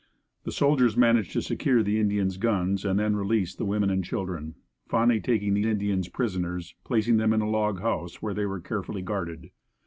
The soldiers managed to secure the Indians' guns and then released the women and children, finally taking the Indians prisoners, placing them in a log house, where they were carefully guarded.